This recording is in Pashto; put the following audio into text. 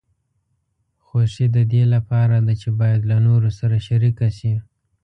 خوښي د دې لپاره ده چې باید له نورو سره شریکه شي.